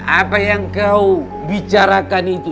apa yang kau bicarakan itu